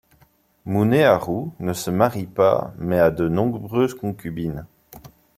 Muneharu ne se marie pas mais a de nombreuses concubines.